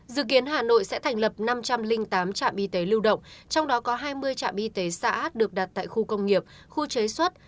dự kiến hà nội sẽ thành lập năm trăm linh tám trạm y tế lưu động trong đó có hai mươi trạm y tế xã được đặt tại khu công nghiệp khu chế xuất